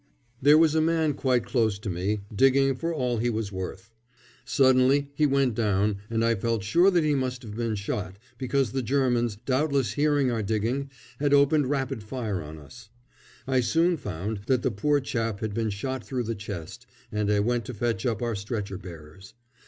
There was a man quite close to me, digging for all he was worth. Suddenly he went down, and I felt sure that he must have been shot, because the Germans, doubtless hearing our digging, had opened rapid fire on us. I soon found that the poor chap had been shot through the chest, and I went to fetch up our stretcher bearers.